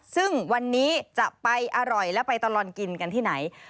ซึ่งวันนี้จะไปอร่อยและไปตลอดกินกันที่ไหน